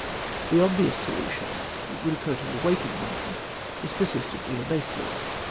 The obvious solution that would occur to a waking mind is persistently evasive.